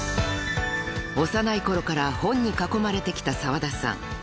［幼いころから本に囲まれてきた澤田さん］